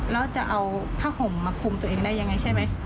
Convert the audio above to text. แล้วจะเอาผ้าห่มมาคุมตัวเองได้ยังไงใช่ไหม